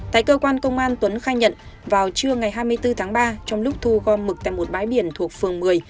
tại cơ quan công an tuấn khai nhận vào trưa ngày hai mươi bốn tháng ba trong lúc thu gom mực tại một bãi biển thuộc phường một mươi